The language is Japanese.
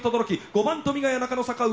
５番富ヶ谷中野坂上。